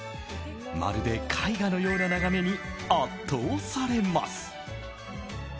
まるで絵画のような眺めに圧倒されます。